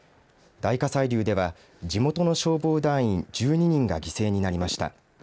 大火砕流では地元の消防団員１２人が犠牲になりました。